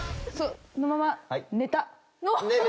そのまま寝た。